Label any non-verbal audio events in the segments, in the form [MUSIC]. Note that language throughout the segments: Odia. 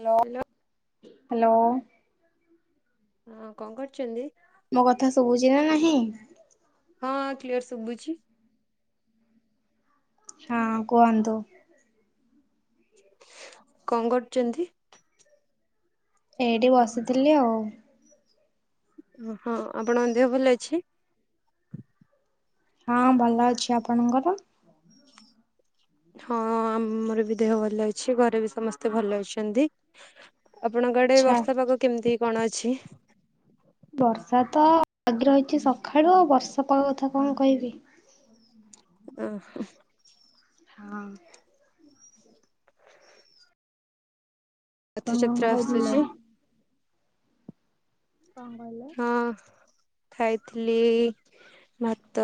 Hello hello. ହଁ କଣ କରୁଚନ୍ତି? ମୋ କଥା ଶୁଭୁଚି ନାଁ ନାହିଁ‌? ହଁ କ୍ଲିୟର ସବୁଛି। ହଁ କୁହନ୍ତୁ। କଣ କରୁଚନ୍ତି? ଏଇଠି ବସିଥିଲି ଆଉ। ଓହୋ ଆପଣଙ୍କ ଦେହ ଭଲ ଅଛି? ହଁ ଭଲ ଅଛି ଆପଣଙ୍କର? ହଁ ଆମର ବି ଦେହ ଭଲ ଅଛି ଘରେ ବି ସମସ୍ତେ ଭଲ ଅଛନ୍ତି। ଆପଣଙ୍କ ଆଡ଼େ ଆଚ୍ଛା। ବର୍ଷା ପାଗ କେମିତି କଣ ଅଛି? ବର୍ଷା ତ ଲାଗି ରହିଚି ସକାଳୁ ଆଉ ବର୍ଷା ପାଗ କଥା କଣ କହିବି। ଓହୋ। ହଁ। ତମେ କଣ ରଥଯାତ୍ରା ଆସୁଛି ଖାଇଥିଲ? କଣ କହିଲ? ହଁ ଖାଇଥିଲି ଭାତ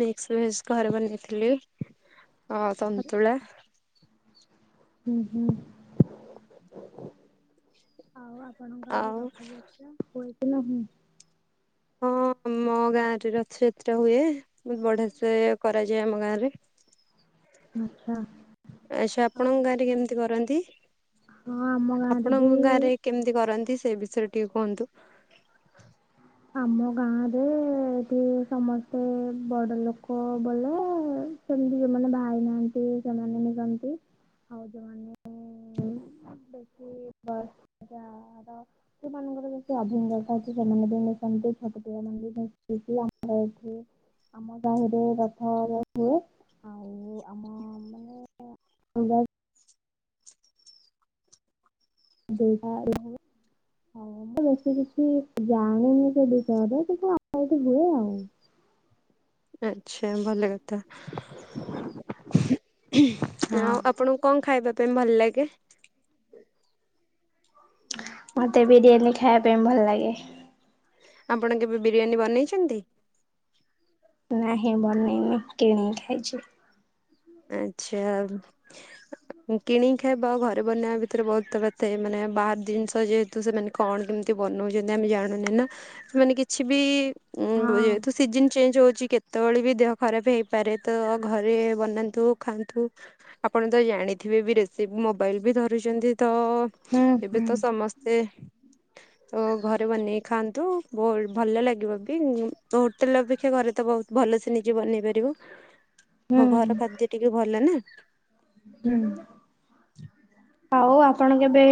ମିକ୍ସ ଭେଜ୍ ଘରେ ବନେଇଥିଲି ଆଉ ତନ୍ତୁଳା। ହୁଁ ହୁଁ। ଆଉ ଆପଣଙ୍କ ଆଡେ ଆଉ ରଥଯାତ୍ରା ହୁଏ କି ନାହିଁ? ହଁ ହୁଁ। ଆମ ଗାଁରେ ରଥଯାତ୍ରା ହୁଏ। ବଢିଆ ସେ କରାଯାଏ ଆମ ଗାଁରେ। ଆଚ୍ଛା। ଆଚ୍ଛା ଆଉ ଆପଣଙ୍କ ଗାଁରେ ଆପଣ କେମିତି କରନ୍ତି? ହଁ ଆମ ଗାଁରେ ଆପଣଙ୍କ ବିି ଗାଁରେ କେମିତି କରନ୍ତି ସେ ବିଷୟରେ ଟିକେ କୁହନ୍ତୁ। ଆମ ଗାଁରେ ଏଠି ସମସ୍ତେ ବଡ଼ ଲୋକ ବେଲେ ସେମିତି ଯୋଉମାନେ ବାହା ହେଇ ନାହାନ୍ତି ସେମାନେ ନେଇଯାଆନ୍ତି। ଆଉ ଯୋଉମାନେ ଉଁ ସେଠି। [UNINTELLIGIBLE] ହଁ ସେମାନଙ୍କର ଯେତେ ଅଭିଜ୍ଞତା ଅଛି ସେମାନେ ବି ସେମିତି ଛୋଟ ପିଲାମାନଙ୍କୁ। [INAUDIBLE] ଆମ ସାହିରେ ରଥ [INAUDIBLE] ହୁଏ। ଆଉ ଆମ [UNINTELLIGIBLE] ଦୁଇଟା। [INAUDIBLE] ହଉ ମୁଁ ବେଶୀ କିଛି ଜାଣିନି ସେ ବିଷୟରେ କିନ୍ତୁ ଆମ ଏଠି ହୁଏ ଆଉ। ଆଛା ଭଲ କଥା। ଆ ହଁ। ଆପଣଙ୍କୁ କଣ ଖାଇବା ପାଇଁ ଭଲ ଲାଗେ? ମୋତେ ବିରିୟାନୀ ଖାଇବା ପାଇଁ ଭଲ ଲାଗେ। ଆପଣ କେବେ ବିରିୟାନୀ ବନେଇଛନ୍ତି? ନାହିଁ ବନେଇନି କିଣିକି ଖାଇଛି। ଆଛା। କିଣିକି ଖାଇବା ଆଉ ଘରେ ବନେଇବା ଭିତରେ ବହୁତ ତଫାତ୍ ଥାଏ, ମାନେ ବାହାର ଜିନିଷ ଯେହେ ତୁ ସେମାନେ କଣ କେମିତି ବନଉଛନ୍ତି ଆମେ ଜାଣିନେ ନା। ସେମାନେ କିଛି ବି ଉଁ ହଁ। ଯେହେତୁ ସିଜନ ଚେଞ୍ଜ ହଉଛି କେତେବେଳେ ବି ଦେହ ଖରାପ ହେଇପାରେ, ତ ଘରେ ବନା- ନ୍ତୁ ଖାଆନ୍ତୁ। ଆପଣ ତ ଜାଣିଥିବେ ବି ରେସିପି, ମୋବାଇଲ ବି ଧରୁଛନ୍ତି ତ ହୁଁ ଏବେ ହୁଁ ତ ସମସ୍ତେ ତ ଘରେ ବନେଇକି ଖାଆନ୍ତୁ। ବହୁ ଭଲ ଲାଗିବ ବି। ଉଁ ହୋଟେଲ ଅପେକ୍ଷା ଘରେ ତ ବହୁତ ଭଲସେ ନିଜେ ବନେଇ ପାରିବ। ହୁଁ। ଘ-ଘର ଖାଦ୍ୟ ଟିକେ ଭଲ ନା। ହୁଁ। ହଉ ଆପଣ କେବେ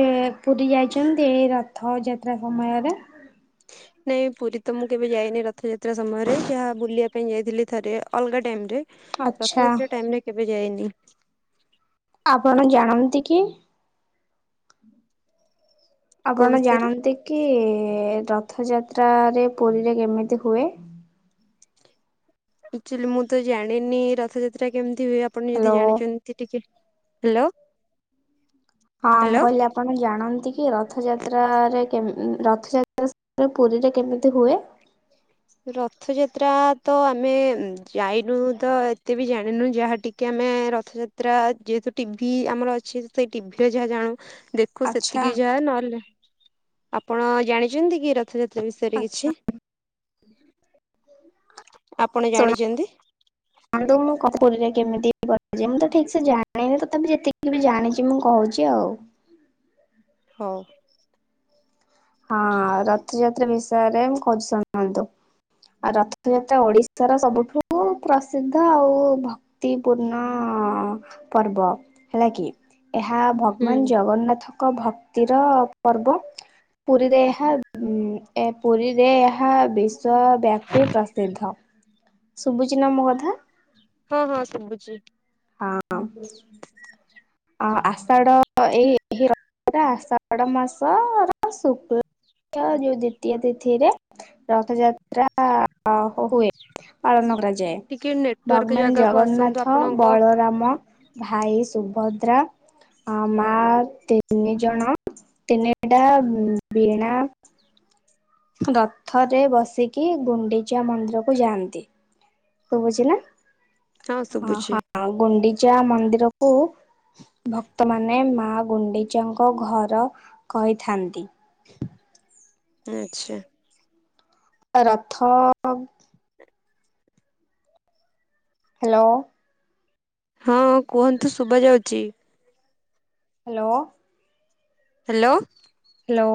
ପୁରୀ ଯାଇଛନ୍ତି ଏଇ ରଥ ଯାତ୍ରା ସମୟରେ? ନାଇଁ ପୁରୀ ତ ମୁଁ କେବେ ଯାଇନି ରଥଯାତ୍ରା ସମୟରେ। ଯାହା ବୁଲିବା ପାଇଁ ଯାଇଥିଲି ଥରେ ଅଲଗା ଟାଇମରେ। ଆଚ୍ଛା ରଥଯାତ୍ରା ଟାଇମରେ କେବେ ଯାଇନି। ଆପଣ ଜାଣନ୍ତି କି? କୋଉ ଆପଣ ବିଷୟରେ ଜାଣନ୍ତି କି ରଥଯାତ୍ରାରେ ପୁରୀରେ କେମିତି ହୁଏ? ଆକ୍ଚୁଆଲି ମୁଁ ତ ଜାଣିନି ରଥଯାତ୍ରା କେମିତି ହୁଏ। ଆପଣ ଯଦି ହ୍ୟାଲୋ ଜାଣିଛନ୍ତି ଟିକେ ହ୍ୟାଲୋ! ହଁ। ହ୍ୟାଲୋ [UNINTELLIGIBLE] ଆପଣ ଜାଣନ୍ତି କି ରଥଯାତ୍ରାରେ କେମ୍ ଉଁ ରଥ [UNINTELLIGIBLE] ପୁରୀରେ କେମିତି ହୁଏ? ରଥଯାତ୍ରା ତ ଆମେ ଯାଇନୁ, ତ ଏତେ ବି ଜାଣିନୁ ଯାହା ଟି କି ଆମେ ରଥଯାତ୍ରା ଯେହେତୁ ଟିଭି ଆମର ଅଛି, ସେଇ ଟିଭିରେ ଯାହା ଜାଣୁ ଦେ ଖୁ ଆଚ୍ଛା ସେତିକି ଯାହା ନହେଲେ, ଆପଣ ଜାଣିଛନ୍ତି କି ରଥଯାତ୍ରା ବିଷୟରେ ଆଚ୍ଛା କିଛି? ଆପଣ ଜାଣିଚନ୍ତି? ଆନ୍ତୁ ମୋ କପୁଲ୍ ରେ କେମିତି ହେବ? ଯେ ମୁଁ ତ ଠିକ୍ ସେ ଜାଣିନି, ତଥାପି ଯେତିକି ବି ଜାଣିଛି, ମୁଁ କହୁଛି ଆଉ। ହଉ। ହଁ ରଥଯାତ୍ରା ବିଷୟରେ ମୁଁ ଖୋଜନ୍ତୁ ଶୁଣନ୍ତୁ। ଆଉ ରଥଯାତ୍ରା ଓଡ଼ିଶାର ସବୁଠୁ ଉ ପ୍ରସିଦ୍ଧ ଆଉ ଭକ୍ତିପୂର୍ଣ୍ଣ ପର୍ବ। ହେଲା କି। ଏହା ହୁଁ ଭଗବାନ୍ ଜଗନ୍ନାଥଙ୍କ ଭକ୍ତିର ପର୍ବ। ପୁରୀରେ ଏହା ଇମ୍ ପୁରୀରେ ଏହା ବିଶ୍ୱବ୍ୟାପୀ ପ୍ରସିଦ୍ଧ। ଶୁବୁଚି ନା ମୋ କଥା? ହଁ ହଁ ଶୁବୁଚି। ହଁ ଅଁ ଆ ଆଷାଢ଼ ଏହି ର ଏଟା ଆଷାଢ଼ ମାସର ଶୁକ୍ଳ କ୍ଷ ଯୋଉ ଦ୍ଵିତୀୟା ତିଥିରେ ରଥଯାତ୍ରା ଆ ଆ ହୁଏ। ପାଳନ କରାଯାଏ। ଟିକେ ନେଟୱାର୍କ ଭଗବାନ ଜାଗାକୁ ଆସନ୍ତୁ ଜଗନ୍ନାଥ ଆପଣଙ୍କ ବଳରାମ, ଭାଇ ସୁଭଦ୍ରା ହଁ ମା ତିନି ଜଣ ତିନିଟା ବୀଣା ରଥରେ ବସିକି ଗୁଣ୍ଡିଚା ମନ୍ଦିରକୁ ଯାଆନ୍ତି। ଶୁବୁଚି ନା, ହଁ ଅଁ ଶୁଭୁଛି ହଁ ଗୁଣ୍ଡିଚା ମନ୍ଦିର କୁ ଭକ୍ତମାନେ ମା ଗୁଣ୍ଡିଚାଙ୍କ ଘର କହିଥାନ୍ତି। ଆଚ୍ଛା। ଅ ରଥ ଅଂ। ହାଲୋ। ହଁ କୁହନ୍ତୁ ଶୁବାଯାଉଛି। ହାଲୋ। ହାଲୋ। ହେଲୋ।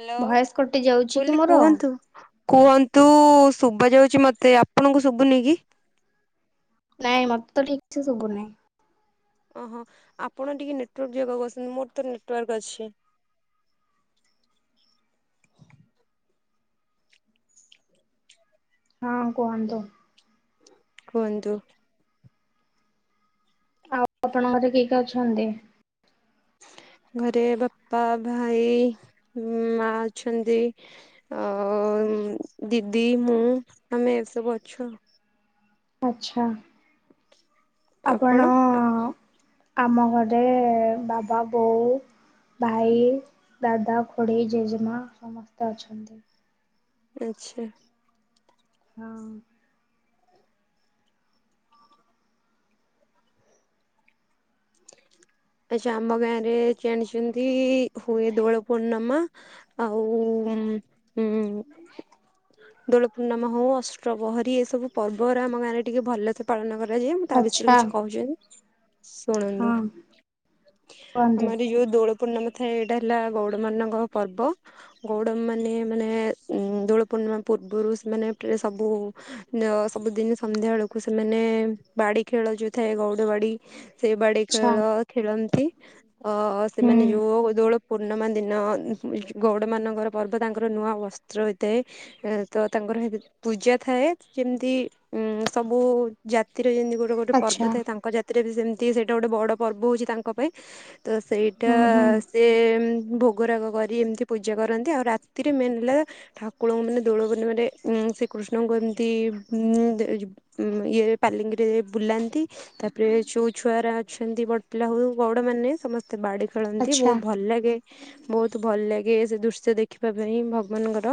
ହେଲୋ କଟି ଯାଉଛି କି ବୋଲି ମୋର? କୁହନ୍ତୁ। କୁହନ୍ତୁ ଶୁଭାଯାଉଛି ମତେ। ଆପଣଙ୍କୁ ଶୁଭୁନି କି? ନାଇଁ, ମତେ ତ ଠିକ୍ ସେ ଶୁବୁନି। ଓହ ଆପଣ ଟିକେ ନେଟୱାର୍କ ଜାଗାକୁ ଆସନ୍ତୁ। ମୋର ତ ନେଟୱାର୍କ ଅଛି। ହଁ କୁହନ୍ତୁ। କୁଅନ୍ତୁ। ଆଉ ଆପଣ ଘରେ କିଏ କିଏ ଅଛନ୍ତି? ଘରେ ବାପ୍ପା, ଭାଇ, ମା ଅଛନ୍ତି। ଆଉ ଦିଦି, ମୁଁ ଆମେ ଏସବୁ ଅଛୁ। ଆଚ୍ଛା ଆପଣ? ଆମ ଘରେ ବାବା, ବୋଉ ଭାଇ, ଦାଦା, ଖୁଡ଼ି ଜେଜେମା ସମସ୍ତେ ଅଛନ୍ତି। ଆଚ୍ଛା। ହଁ। ଆଛା ଆମ ଗାଁ ରେ ଜାଣିଛନ୍ତି, ହୁଏ ଦୋଳ ପୂର୍ଣ୍ଣମା ଆଉ ଉଁ ହୁଁ। ଦୋଳ ପୂର୍ଣ୍ଣମା ହଉ, ଅଷ୍ଟପହରି ଏସବୁ ପର୍ବରେ ଆମ ଗାଁ ରେ ଟିକେ ଭଲସେ ପାଳନ କରାଯାଏ। ମୁଁ ତା ବିଷୟରେ ଆଚ୍ଛା କିଛି କହୁଛନ୍ତି ଶୁଣନ୍ତୁ। ହଁ କୁହନ୍ତୁ ଆମରି ଯୋଉ ଦୋଳ ପୂର୍ଣ୍ଣିମା ଥାଏ, ଏଇଟା ହେଲା ଗଉଡ଼ମାନଙ୍କ ପର୍ବ। ଗଉଡ଼ମାନେ ମାନେ ଦୋଳ ପୂର୍ଣ୍ଣିମା ପୂର୍ବରୁ ସେମାନେ ପ୍ରା ସବୁ ସବୁଦିନ ସନ୍ଧ୍ୟାବେେଳକୁ ସେମାନେ ବାଡ଼ି ଖେଳ ଯୋଉ ଥାଏ ଗଉଡ ବାଡି ସେଇ ବାଡି ଆଚ୍ଛା ଖେଳ ଖେଳନ୍ତି ଅ ସେମାନେ ହୁଁ ଯୋଉ ଦୋଳ ପୂର୍ଣମା ଦିନ ଗଉଡ ମାନଙ୍କର ପର୍ବ ତାଙ୍କର ନୂଆ ବସ୍ତ୍ର ହେଇଥାଏ। ଏ ତ ତାଙ୍କର ସେଇଠି ପୂଜା ଥାଏ ଯେମିତି ଉଁ ସବୁ ଜାତିର ଯେମତି ଗୋ ଯୋଉ ଗୋଟେ ପର୍ବ ଆଚ୍ଛା ଥାଏ ତାଙ୍କ ଜାତିରେ ବି ସେମିତି ସେଇଟା ଗୋଟେ ବଡ ପର୍ବ ହଉଛି ତାଙ୍କ ପାଇଁ। ତ ସେଇଟା ହୁଁ ହୁଁ ସେ ଭୋଗରାଗ କରି ଏମିତି ପୂଜା କରନ୍ତି ଆଉ ରାତିରେ ମେନ୍ ହେଲା ଠାକୁରଙ୍କୁ ମାନେ ଦୋଳ ପୂର୍ଣିମା ରେ ଉଁ ଶ୍ରୀକୃଷ୍ଣଙ୍କୁ ଏମିତି ମୁଁ ଯେ ଯି ଉଁ ଇଏ ପାଲିଙ୍କିରେ ବୁଲାନ୍ତି। ତାପରେ ଯୋଉ ଛୁଆଗୁରା ଅଛନ୍ତି ବଡ ପିଲା ହଉ ବଡ ମାନେ ସମ ସ୍ତେ ବାଡି ଖେଳନ୍ତି ଆଚ୍ଛା ବହୁତ ଭଲ ଲାଗେ। ବହୁତ ଭଲ ଲାଗେ ସେ ଦୃଶ୍ୟ ଦେଖିବା ପାଇଁ ଭଗବାନଙ୍କର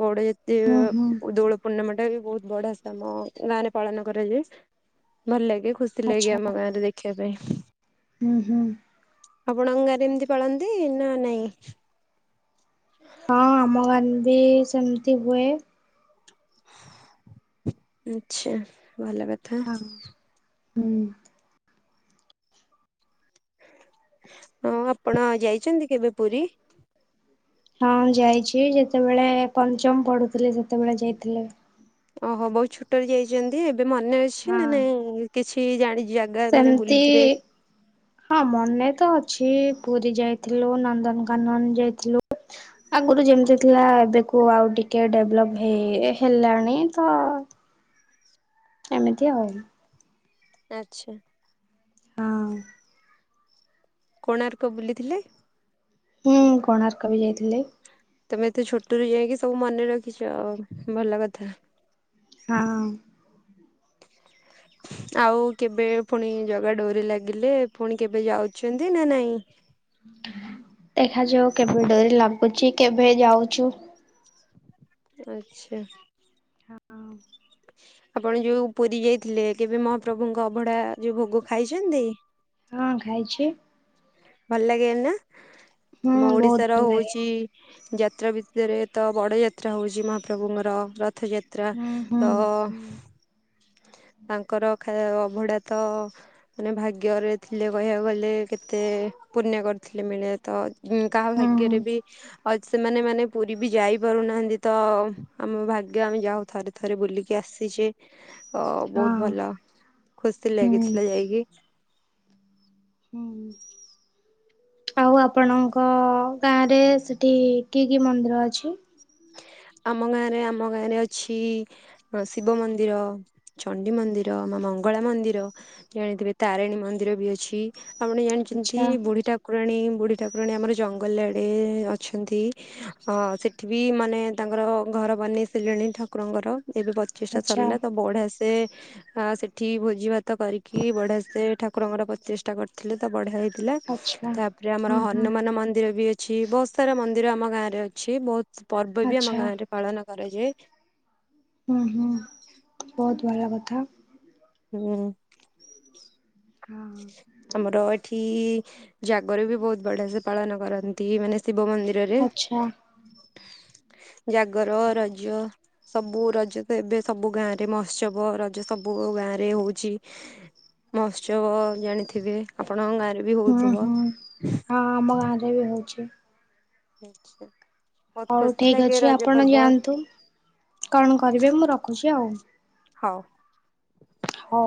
ବୋଡେ ଯେ ହୁଁ ହୁଁ ଦୋଳ ପୂର୍ଣ୍ଣମା ଟା ବି ବହୁତ ବଢିଆ ସେ ଆମ ଗାଁ ରେ ପାଳନ କରାଯାଏ ଭଲ ଲାଗେ ଖୁସି ସି ଲାଗେ ଆମ ଗାଁ ରେ ଦେଖିବା ପାଇଁ। ଉୁଁ ହୁଁ। ଆପଣଙ୍କ ଗାଁ ରେ ଏମିତି ପାଳନ୍ତି ନାଁ ନାଇଁ? ହଁ ଆମ ଗାଁ ରେ ବି ସେମିତି ହୁଏ। ଆଛା ଭଲ କ ହଁ ହୁଁ। ଆଉ ଆପଣ ଯାଇଛନ୍ତି କେବେ ପୁରୀ? ହଁ ଯାଇଛି ଯେତବେଳେ ପଞ୍ଚମ ପଢୁଥିଲି ସେତବେଳେ ଯାଇଥିଲି। ଓ ହୋ ବହୁତ ଛୋଟ ହେଇ ଯାଇଛନ୍ତି ଏବେ ମନେ ଅଛି ନା ହଁ। ନାଇଁ କିଛି ଜାଣିଛ? ସେମିତି ହଁ ମନେ ତ ଅଛି ପୁରୀ ଯାଇଥିଲୁ ନନ୍ଦନକାନନ ଯାଇଥିଲୁ। ଆଗରୁ ଯେମିତି ଥିଲା ଏବେକୁ ଆଉ ଟିକିଏ ଡେବଲପ୍ ହେଇ ହେଲାଣି ତ [INAUDIBLE] ଏମିତି ଆଉ। ଆଚ୍ଛା। ହଁ। କୋଣାର୍କ ବୁଲି ଥିଲେ? ହୁଁଁ କୋଣାର୍କ ବି ଯାଇଥିଲି। ତମେ ଏତେ ଛୋଟରୁୁ ଯାଇକି ସବୁ ମନେ ରଖିଛ ଆଉ ଭଲ କଥା। ହଁ। [INAUDIBLE] ଆଉ କେବେ ପୁଣି ଜଗା ଡୋରି ଲାଗିଲେ ପୁଣି କେବେ ଯାଉଛନ୍ତି ନା ନାଇଁ? ଦେଖାଯାଉ କେବେ ଡୋରି ଲାଗୁଛି କେବେ ଯାଉଛୁ। ଆଚ୍ଛା। ହଁ ଆପଣ ଯୋଉ ପୁରୀ ଯାଇଥିଲେ କେବେ ମହାପ୍ରଭୁଙ୍କ ଅଭଡ଼ା ଯୋଉ ଭୋଗ ଖାଇଛନ୍ତି? ହଁ ଖାଇଛି। ଭଲ ଲାଗେ ନା ହୁଁ ଆମ ବହୁତ ଓଡିଶାର ଭଲ ଲାଗେ ହଉଛି ଯାତ୍ରା ଭିତରେ ତ ବଡ଼ ଯାତ୍ରା ହଉଛି ମହାପ୍ରଭୁଙ୍କର ରଥ ଯା ତ୍ରା ହୁଁ ହୁଁ ତ ହୁଁ ତାଙ୍କର ଖାଇଆ ଅଭଡ଼ା ତ ମାନେ ଭାଗ୍ୟରେ ଥିଲେ କହିବାକୁ ଗଲେ କେତେ ପୂଣ୍ୟ କରିଥିଲେ ମିଳେ ତ ହଁ କାହା ଭାଗ୍ୟରେ ବି ଅଛି ସେମାନେ ମାନେ ପୁରୀ ବି ଯାଇ ପାରୁନାହାନ୍ତି ତ ଆମ ଭାଗ୍ୟ ଆମେ ଯା ହଉ ଥରେ ଥରେ ବୁଲିକି ଆସିଚେ। ଅ ବହୁତ ହଁ ଭଲ ଖୁସି ହୁଁ ଲାଗିଥିଲା ଯାଇକି। ହଁ। ଆଉ ଆପଣଙ୍କ ଗାଁରେ ସେଠି କି କି ମନ୍ଦିର ଅଛି? ଆମ ଗାଁ ରେ ଆମ ଗାଁ ରେ ଅଛି ହଁ ଶିବ ମନ୍ଦିର, ଚଣ୍ଡି ମନ୍ଦିର, ମା ମଙ୍ଗଳା ମନ୍ଦିର ଜାଣିଥିବେ ତାରିଣୀ ମନ୍ଦିର ବି ଅଛି ଆପଣ ଜାଣିଛନ୍ତି ଆଚ୍ଛା ବୁଢୀ ଠାକୁ କୁରାଣୀ ବୁଢୀ ଠାକୁରାଣୀ ଆମର ଜଙ୍ଗଲ ଆଡେ ଅଛନ୍ତି ଅ ସେଠି ବି ମାନେ ତାଙ୍କର ଘର ବନେଇ ସାରିଲେଣି ଠାକୁରଙ୍କର ଏବେ ପଚିଷ୍ଟା ଆଚ୍ଛା ସରିଲା ତ ବଢିଆସେ ସେ ଆ ସେଠି ଭୋଜି ଭାତ କରିକି ବଢିଆସେ ଠାକୁରଙ୍କର ପତିଷ୍ଠା କରି ଥିଲେ ତ ବଢିଆ ହେଇଥିଲା ଆଚ୍ଛା ତାପରେ ଆମର ହୁଁ ହୁଁ ହନୁମାନ ମନ୍ଦିର ବି ଅଛ ଛି ବହୁତ ସାରା ମନ୍ଦିର ଆମ ଗାଁ ରେ ଅଛି ବହୁତ ପର୍ବ ବି ଆମ ଆଚ୍ଛା। ଗାଁ ରେ ପାଳନ କରାଯାଏ। ମ ହଁ ବହୁତ ଭଲ କଥା। ହଁ। ହଁ। ଆମର ଏଠି ଜାଗର ବି ବହୁତ ବଢିଆ ସେ ପାଳନ କରନ୍ତି ମାନେ ଶିବ ମନ୍ଦିରରେ। ଆଚ୍ଛା ଜାଗର, ରଜ ସବୁ ରଜ ତ ଏବେ ସବୁ ଗାଁ ରେ ମହୋତ୍ସବ ରଜ ସବୁ ଗାଁ ରେ ହଉଛି ମହୋତ୍ସବ ଜାଣିଥିବେ ଆପଣଙ୍କ ଗାଁରେ ବି ମ ହଉଥିବ। ହୁଁ ହଁ ଆମ ଗାଁ ରେ ବି ହଉଛି। ଆଚ୍ଛା। ହଉ ଠିକ୍ ଅଛି ଆପଣ ଯାଆନ୍ତୁ କଣ କରିବେ ମୁଁ ରଖୁଛି ଆଉ। ହଉ। ହଉ।